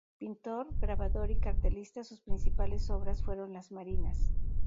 Pintor, grabador y cartelista, sus principales obras fueron las marinas.